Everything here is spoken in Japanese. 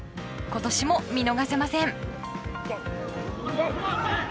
今年も見逃せません。